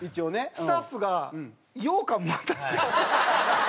スタッフがようかん渡して。